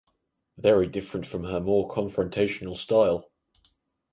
Very different from her more confrontational style.